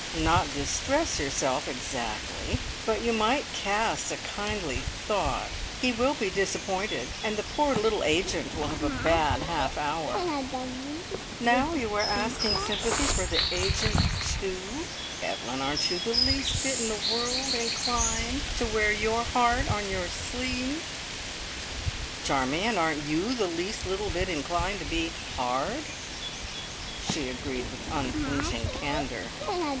"Not distress yourself exactly, but you might cast a kindly thought. He will be disappointed, and the poor little agent will have a bad half hour." "Now you are asking sympathy for the agent, too! Evelyn, aren't you the least little bit in the world inclined to wear your heart on your sleeve?" "Charmion, aren't you the least little bit inclined to be hard?" She agreed with unflinching candour.